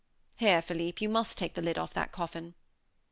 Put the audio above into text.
Here, Philippe, you must take off the lid of that coffin."